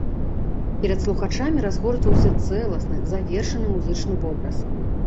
Перад слухачамі разгортваўся цэласны, завершаны музычны вобраз.